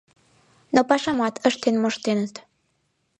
Но пашамат ыштен моштеныт.